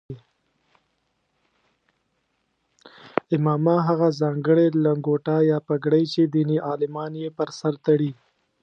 عمامه هغه ځانګړې لنګوټه یا پګړۍ چې دیني عالمان یې پر سر تړي.